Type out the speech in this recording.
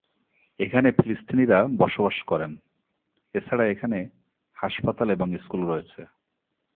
এখানে ফিলিস্তিনিরা বসবাস করেন, এছাড়া এখানে হাসপাতাল এবং স্কুল রয়েছে।